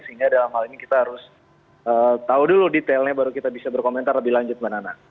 sehingga dalam hal ini kita harus tahu dulu detailnya baru kita bisa berkomentar lebih lanjut mbak nana